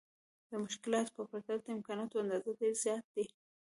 د مشکلاتو په پرتله د امکاناتو اندازه ډېره زياته ده.